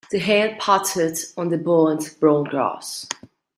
The hail pattered on the burnt brown grass.